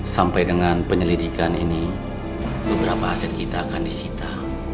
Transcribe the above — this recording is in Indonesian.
sampai dengan penyelidikan ini beberapa aset kita akan disita